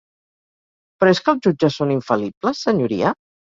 Però és que els jutges són infal·libles, senyoria?